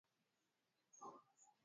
Kibagenge ko kimnon